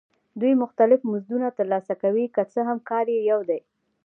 دوی مختلف مزدونه ترلاسه کوي که څه هم کار یې یو دی